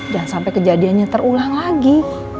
jangan sampai kejadiannya terulang lagi